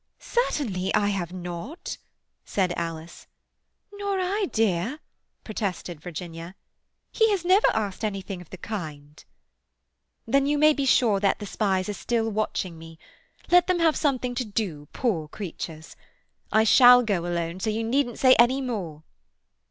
"Certainly I have not," said Alice. "Nor I, dear," protested Virginia. "He has never asked anything of the kind." "Then you may be sure that the spies are still watching me. Let them have something to do, poor creatures. I shall go alone, so you needn't say any more."